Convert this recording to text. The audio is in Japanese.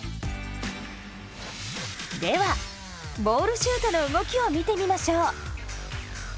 ではボールシュートの動きを見てみましょう。